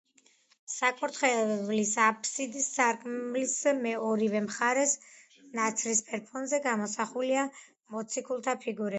საკურთხევლის აფსიდის სარკმლის ორივე მხარეს ნაცრისფერ ფონზე გამოსახულია მოციქულთა ფიგურები.